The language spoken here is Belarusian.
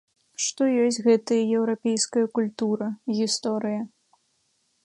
Што ёсць гэтая еўрапейская культура, гісторыя.